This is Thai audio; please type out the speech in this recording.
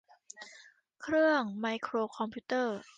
เครื่องไมโครคอมพิวเตอร์